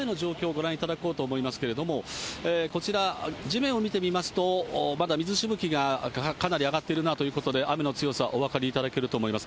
ご覧いただこうと思いますけれども、こちら、地面を見てみますと、まだ水しぶきがかなり上がっているなということで、雨の強さ、お分かりいただけると思います。